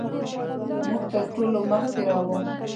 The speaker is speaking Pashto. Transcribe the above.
موږ تر ټولو مخکې روان وو.